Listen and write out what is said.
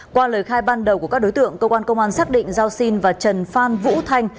qua lời khai ban đầu của các đối tượng cơ quan công an xác định giao sinh và trần phan vũ thanh